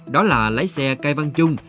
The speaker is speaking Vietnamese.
đó là lái xe cài văn trung